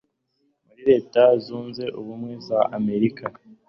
muri leta zunze ubumwe za amerika